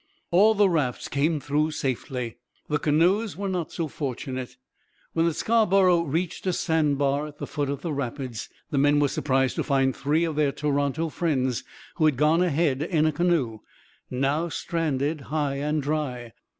All the rafts came through safely. The canoes were not so fortunate. When the Scarborough reached a sand bar at the foot of the rapids, the men were surprised to find three of their Toronto friends, who had gone ahead in a canoe, now stranded high and dry.